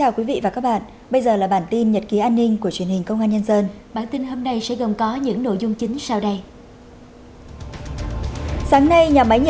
các bạn hãy đăng ký kênh để ủng hộ kênh của chúng mình nhé